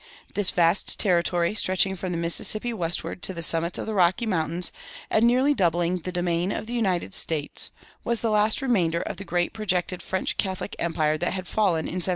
This vast territory, stretching from the Mississippi westward to the summits of the Rocky Mountains and nearly doubling the domain of the United States, was the last remainder of the great projected French Catholic empire that had fallen in 1763.